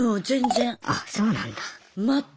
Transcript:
あそうなんだ。